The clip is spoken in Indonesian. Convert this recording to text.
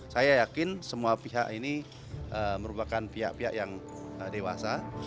saya yakin semua pihak ini merupakan pihak pihak yang dewasa